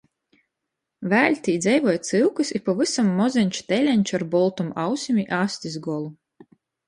Vēļ tī dzeivoj cyukys i pavysam mozeņš teleņš ar boltom ausim i astis golu.